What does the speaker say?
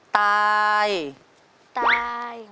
ตายตาย